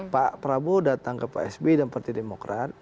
pak prabowo datang ke psb dan partai demokrat